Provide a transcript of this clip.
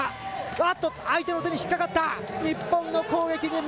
あっと、相手の手に引っ掛かった。